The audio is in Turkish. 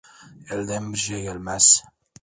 Elden bir şey gelmez.